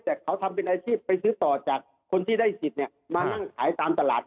แต่เขาทำเป็นอาชีพไปซื้อต่อจากคนที่ได้สิทธิ์มานั่งขายตามตลาด